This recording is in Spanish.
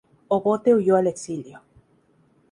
Obote huyó al exilio.